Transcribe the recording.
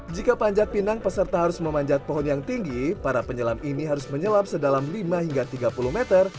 jika panjat pinang peserta harus memanjat pohon yang tinggi para penyelam ini harus menyelam sedalam lima hingga tiga puluh meter